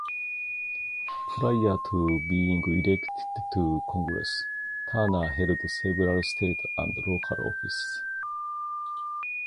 Prior to being elected to Congress, Turner held several state and local offices.